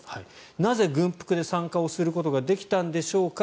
なぜ軍服で参加をすることができたんでしょうか。